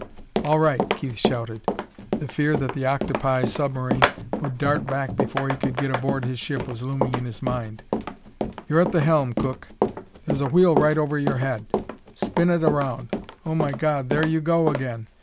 "All right!" Keith shouted. The fear that the octopi submarine would dart back before he could get aboard his ship was looming in his mind. "You're at the helm, Cook; there's a wheel right over your head. Spin it around oh, my God, there you go again!"